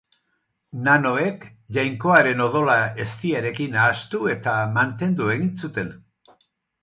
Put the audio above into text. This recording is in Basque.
Nanoek, jainkoaren odola eztiarekin nahastu eta mantendu egin zuten.